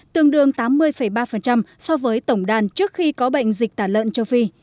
tương đương tám mươi ba so với tổng đàn trước khi có bệnh dịch tả lợn châu phi